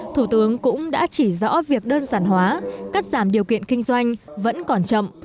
thủ tướng cũng đã chỉ rõ việc đơn giản hóa cắt giảm điều kiện kinh doanh vẫn còn chậm